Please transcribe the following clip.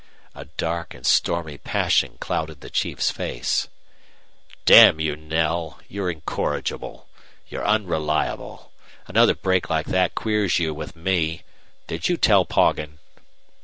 A dark and stormy passion clouded the chief's face. "Damn you, Knell! You're incorrigible. You're unreliable. Another break like that queers you with me. Did you tell Poggin?"